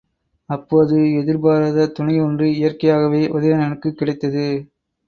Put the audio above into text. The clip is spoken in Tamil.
அப்போது எதிர்பாராத துணை ஒன்று இயற்கையாகவே உதயணனுக்குக் கிடைத்தது.